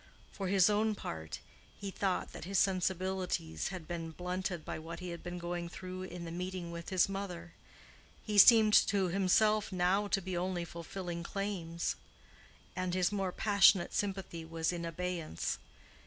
For his own part, he thought that his sensibilities had been blunted by what he had been going through in the meeting with his mother: he seemed to himself now to be only fulfilling claims, and his more passionate sympathy was in abeyance.